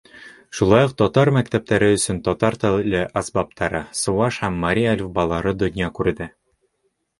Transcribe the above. — Шулай уҡ татар мәктәптәре өсөн татар теле әсбаптары, сыуаш һәм мари әлифбалары донъя күрҙе.